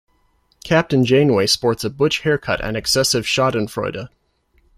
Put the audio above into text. Captain Janeway sports a butch haircut and excessive schadenfreude.